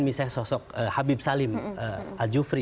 misalnya sosok habib salim al jufri